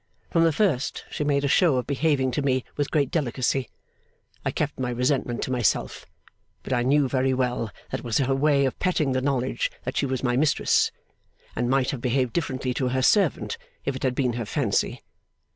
From the first, she made a show of behaving to me with great delicacy. I kept my resentment to myself; but I knew very well that it was her way of petting the knowledge that she was my Mistress, and might have behaved differently to her servant if it had been her fancy.